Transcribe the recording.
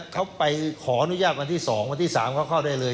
เขาไปขออนุญาตวันที่๒วันที่๓เขาเข้าได้เลย